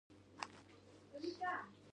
ساه ایستلو اچولي وو.